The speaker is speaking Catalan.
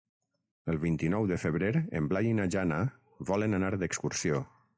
El vint-i-nou de febrer en Blai i na Jana volen anar d'excursió.